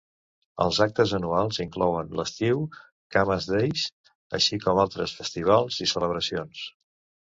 Els actes anuals inclouen l'estiu "Camas Days", així com altres festivals i celebracions.